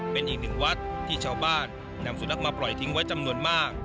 เป็นอีกหนึ่งวัดที่ชาวบ้านนำสุนัขมาปล่อยทิ้งไว้จำนวนมาก